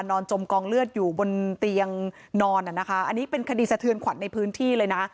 จมกองเลือดอยู่บนเตียงนอนนะคะอันนี้เป็นคดีสะเทือนขวัญในพื้นที่เลยนะ